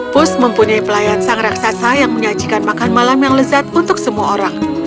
pus mempunyai pelayan sang raksasa yang menyajikan makan malam yang lezat untuk semua orang